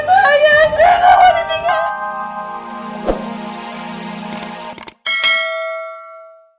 saya tidak mau ditinggalin